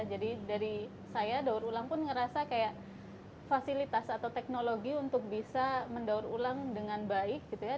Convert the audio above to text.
dari saya daur ulang pun ngerasa kayak fasilitas atau teknologi untuk bisa mendaur ulang dengan baik gitu ya